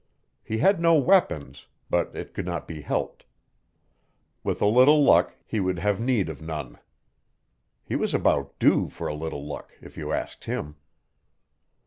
He had no weapons, but it could not be helped. With a little luck, he would have need of none. He was about due for a little luck, if you asked him.